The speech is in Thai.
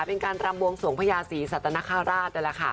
เป็นการรำวงสวงพญาสีสัตว์นครราชน์